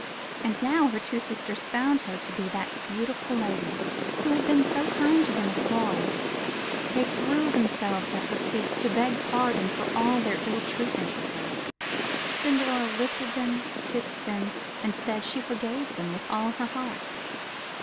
And now her two sisters found her to be that beautiful lady who had been so kind to them at the ball. They threw themselves at her feet to beg pardon for all their ill treatment of her. Cinderella lifted them up, kissed them, and said she forgave them with all her heart.